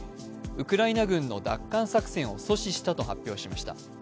ウクライナ軍の奪還作戦を阻止したと発表しました。